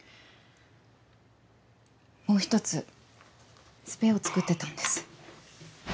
もう１つスペアを作ってたんです。